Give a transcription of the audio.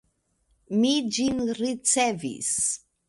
Mi ĝin ricevis.